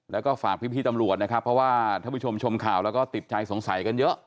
แล้วก็ฝากพี่ตำรวจนะครับเพราะว่าท่านผู้ชมชมข่าวแล้วก็ติดใจสงสัยกันเยอะ